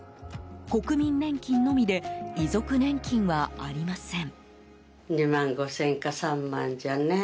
国民年金のみで遺族年金はありません。